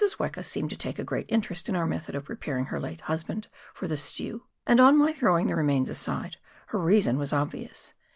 Weka seemed to take a great interest in our method of preparing her late husband for the stew, and, on my throwing the remains aside, her reason was obvious.